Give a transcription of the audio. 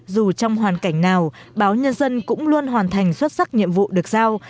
dù trong hoàn cảnh nào báo nhân dân cũng luôn hoàn thành xuất sắc nhiệm vụ được giao